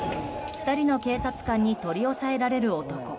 ２人の警察官に取り押さえられる男。